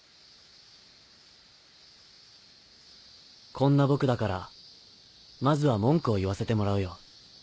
こんな僕だからまずは文句を言わせてもらうよ